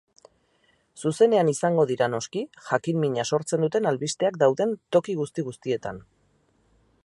Zuzenean izango dira, noski, jakinmina sortzen duten albisteak dauden toki guzti-guztietan.